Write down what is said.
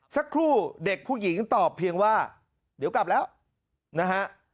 สักครู่เด็กผู้หญิงตอบเพียงว่าเดี๋ยวกลับแล้วนะฮะ